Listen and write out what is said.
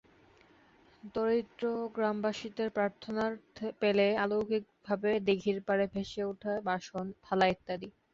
দরিদ্র গ্রামবাসীদের প্রার্থনা পেলে অলৌকিকভাবে দিঘির পাড়ে ভেসে ওঠে বাসন, থালা ইত্যাদি।